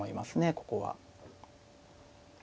ここは。